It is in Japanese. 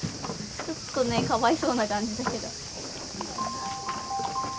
ちょっとねかわいそうな感じだけど。